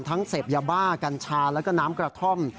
เสพยาบ้ากัญชาแล้วก็น้ำกระท่อม